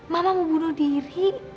mama mau bunuh diri